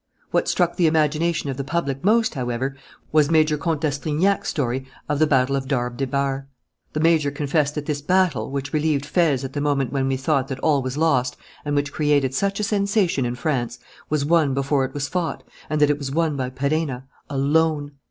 What struck the imagination of the public most, however, was Major Comte d'Astrignac's story of the battle of Dar Dbibarh. The major confessed that this battle, which relieved Fez at the moment when we thought that all was lost and which created such a sensation in France, was won before it was fought and that it was won by Perenna, alone!